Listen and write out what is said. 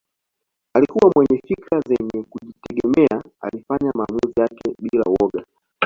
Alikuwa mwenye fikra zenye kujitegemea alifanya maamuzi yake bila woga